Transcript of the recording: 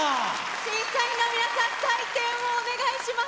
審査員の皆さん、採点をお願いします。